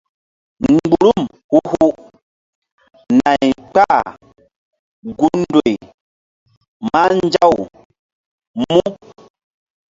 Mgburum hu-hu nay kpahgun ndoy mah nzaw mu.